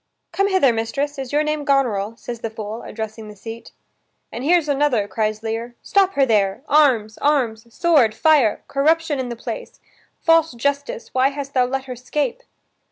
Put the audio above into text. "Come hither, mistress. Is your name Goneril?" says the fool, addressing the seat. "And here's another," cries Lear. "Stop her there! arms, arms, sword, fire! Corruption in the place! False justice, why hast thou let her 'scape?"